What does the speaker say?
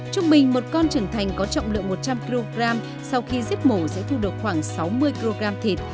trung bình một con trưởng thành có trọng lượng một trăm linh kg sau khi giết mổ sẽ thu được khoảng sáu mươi kg thịt